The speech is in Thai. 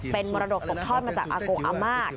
เป็นมรดดกบทอดมาจากอาโกงอัมมาก